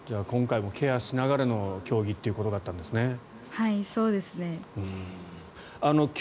今回もケアしながらの競技ということだったんですね。